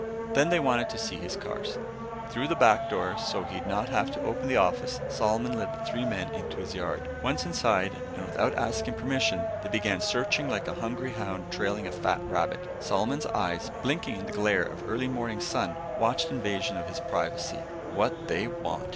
Then they wanted to see his cars. Through the back door, so he'd not have to open the office, Solomon led the three men into his yard. Once inside, and without asking permission, they began searching like a hungry hound trailing a fat rabbit. Solomon's eyes, blinking in the glare of early morning sun, watched invasion of his privacy. "What they want?"